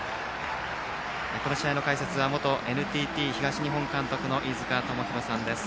この試合の解説は元ＮＴＴ東日本監督の飯塚智広さんです。